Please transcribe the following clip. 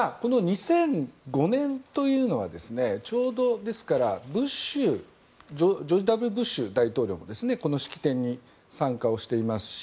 ２００５年というのはちょうど、ですからジョージ・Ｗ・ブッシュ大統領がこの式典に参加していますし。